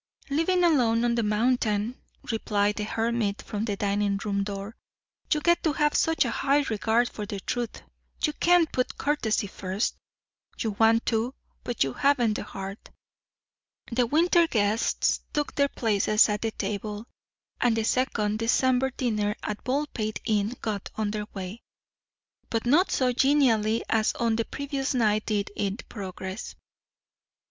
"Living alone on the mountain," replied the hermit from the dining room door, "you get to have such a high regard for the truth you can't put courtesy first. You want to, but you haven't the heart." The winter guests took their places at the table, and the second December dinner at Baldpate Inn got under way. But not so genially as on the previous night did it progress.